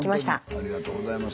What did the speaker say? ありがとうございます。